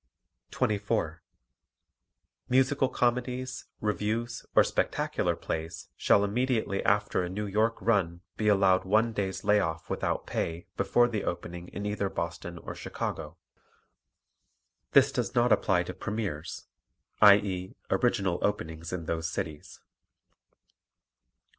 24. Musical comedies, revues or spectacular plays shall immediately after a New York run be allowed one day's lay off without pay before the opening in either Boston or Chicago. This does not apply to premiers, i.e., original openings in those cities.